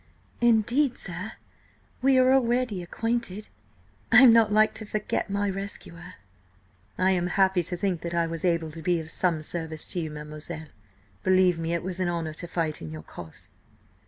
"Indeed, sir, we are already acquainted. I am not like to forget my rescuer." "I am happy to think that I was able to be of some service to you, mademoiselle. Believe me, it was an honour to fight in your cause."